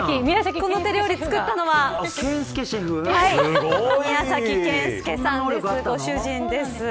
この手料理を作ったのは宮崎謙介さんご主人です。